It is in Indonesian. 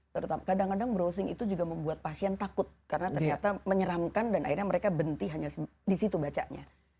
terutama kadang kadang browsing itu juga membuat pasien takut karena ternyata menyeramkan dan akhirnya mereka benti hanya disitu bacanya